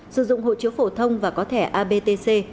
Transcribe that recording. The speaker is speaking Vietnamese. sử dụng hộ chiếu phổ thông và có thẻ abtc